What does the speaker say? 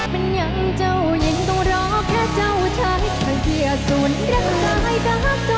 มันยังเจ้าหญิงต้องรอแค่เจ้าชาย